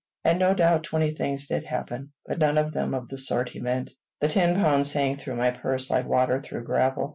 And no doubt twenty things did happen, but none of them of the sort he meant. The ten pounds sank through my purse like water through gravel.